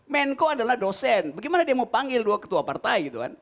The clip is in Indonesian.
menko adalah dosen bagaimana dia mau panggil dua ketua partai gitu kan